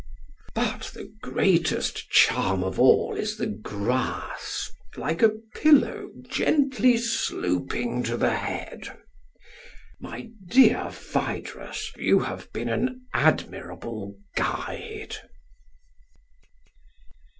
But the greatest charm of all is the grass, like a pillow gently sloping to the head. My dear Phaedrus, you have been an admirable guide.